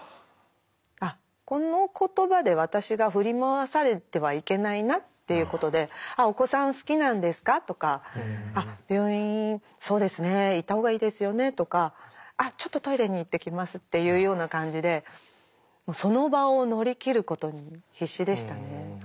あっこの言葉で私が振り回されてはいけないなっていうことで「お子さん好きなんですか？」とか「病院そうですね行ったほうがいいですよね」とか「あっちょっとトイレに行ってきます」っていうような感じでその場を乗り切ることに必死でしたね。